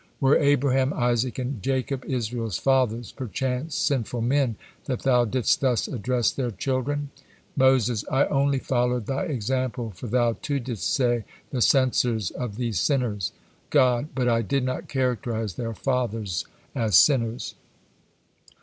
Were Abraham, Isaac, and Jacob, Israel's fathers, perchance sinful men, that thou didst thus address their children?" Moses: "I only followed Thy example, for Thou, too, didst say, 'The censers of these sinners.'" God: "But I did not characterize their fathers as sinners."